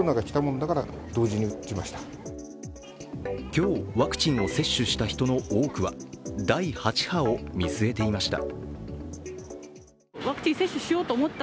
今日、ワクチンを接種した人の多くは第８波を見据えていました。